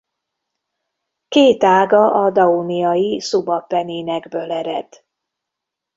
Két ága a Dauniai-szubappenninekből ered.